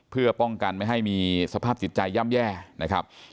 เพื่อป้องกันไม่ให้มีสภาพจิตใจย่ำแย่นะครับ